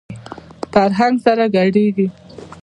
فرهنګ سره ګډېږي.